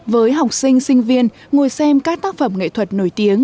với học sinh sinh viên ngồi xem các tác phẩm nghệ thuật nổi tiếng